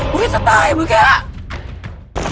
ฮอยยยยยไร้สไตล์เมื่อกริ้า